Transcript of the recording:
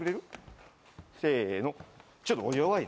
せの！